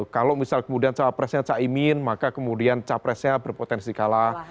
kalau misal kemudian cawapresnya caimin maka kemudian capresnya berpotensi kalah